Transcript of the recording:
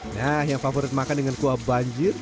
nah yang favorit makan dengan kuah banjir